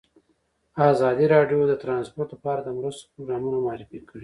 ازادي راډیو د ترانسپورټ لپاره د مرستو پروګرامونه معرفي کړي.